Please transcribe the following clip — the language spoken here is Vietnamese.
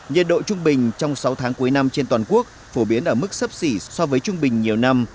nhiệt độ trung bình trong sáu tháng cuối năm trên toàn quốc phổ biến ở mức sấp xỉ so với trung bình nhiều năm